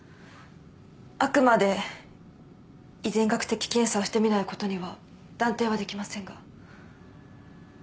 あくまで遺伝学的検査をしてみないことには断定はできませんが。